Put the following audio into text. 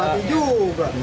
tak berbati juga